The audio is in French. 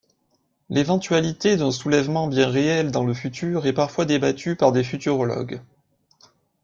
L'éventualité d'un soulèvement bien réel dans le futur est parfois débattue par des futurologues.